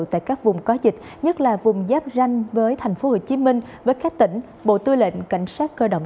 tại các vùng có dịch nhất là vùng giáp ranh với tp hcm với các tỉnh bộ tư lệnh cảnh sát cơ động